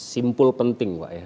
simpul penting pak ya